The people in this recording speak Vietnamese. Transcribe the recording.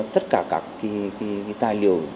tất cả các tài liệu